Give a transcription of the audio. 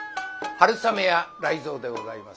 春雨や雷蔵でございます。